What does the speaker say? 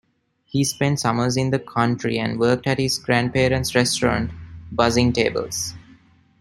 He spent summers in the country and worked at his grandparents' restaurant bussing tables.